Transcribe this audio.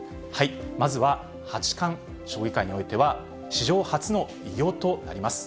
まずは八冠、将棋界においては史上初の偉業となります。